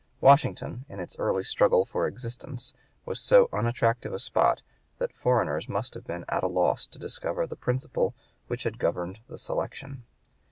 Washington, in its early struggle for existence, was so unattractive a spot, that foreigners must have been at a loss to discover the principle which had governed the selection.